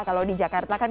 kalau di jakarta kan